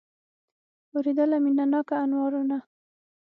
اورېدله مینه ناکه انوارونه